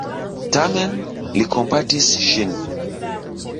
Tamen, li kompatis ŝin.